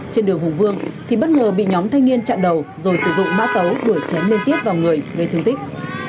trên đường hùng vương thì bất ngờ bị nhóm thanh niên chặn đầu rồi sử dụng mã tấu đuổi chém liên tiếp vào người gây thương tích